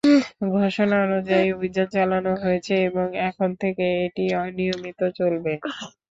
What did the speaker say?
ঘোষণা অনুযায়ী অভিযান চালানো হয়েছে এবং এখন থেকে এটি নিয়মিত চলবে।